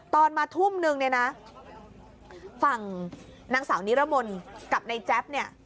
ตอนมาทุ่มหนึ่งฝั่งนางสาวนิรมนธ์กับในแจ๊บ